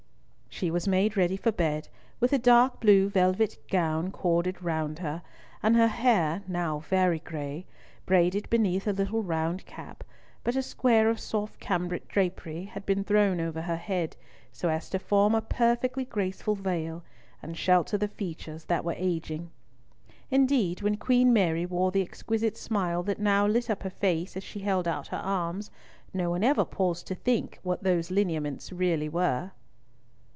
She was made ready for bed, with a dark blue velvet gown corded round her, and her hair, now very gray, braided beneath a little round cap, but a square of soft cambric drapery had been thrown over her head, so as to form a perfectly graceful veil, and shelter the features that were aging. Indeed, when Queen Mary wore the exquisite smile that now lit up her face as she held out her arms, no one ever paused to think what those lineaments really were.